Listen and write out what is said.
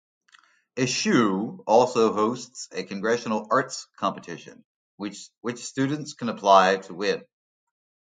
Eshoo also hosts a congressional arts competition, which students can apply to win.